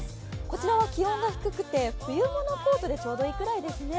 こちらは気温が低くて冬物コートでちょうどいいくらいですね。